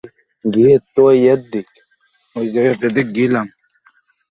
এর আগে তিনি একই বিশ্ববিদ্যালয়ে সিন্ধি বিভাগের অধ্যাপক ও সভাপতির দায়িত্ব পালন করেছিলেন।